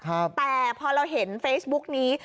แต่พอเราเห็นเฟซบุ๊กนี้